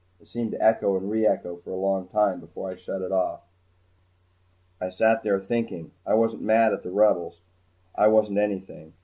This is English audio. It seemed to echo and reecho for a long time before I shut it off. I sat there, thinking. I wasn't mad at the Rebels. I wasn't anything.